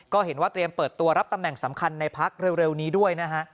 ก็เห็นว่าเตรียมเปิดตัวรับตำแหน่งสำคัญในพักเร็วนี้ด้วยนะฮะ